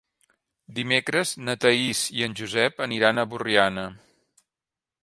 Dimecres na Thaís i en Josep aniran a Borriana.